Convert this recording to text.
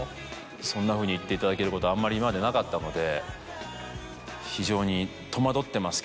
そんなふうに言っていただけることはあんまり今までなかったので。